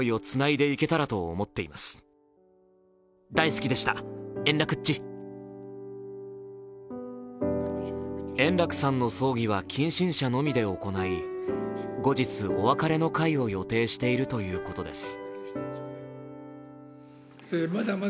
突然の訃報に「笑点」のメンバーは円楽さんの葬儀は近親者のみで行い、後日、お別れの会を予定しているということです。